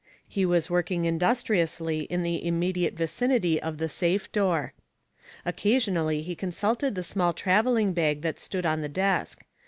He was working industriously in the immediate vicinity of the safe door. Occasionally he consulted the small traveling bag that stood on the desk.